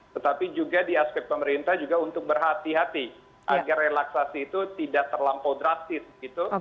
tetapi juga di aspek pemerintah juga untuk berhati hati agar relaksasi itu tidak terlampau drastis gitu